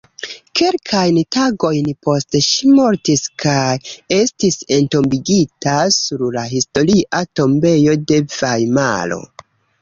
Kelkajn tagojn poste ŝi mortis kaj estis entombigita sur la Historia tombejo de Vajmaro.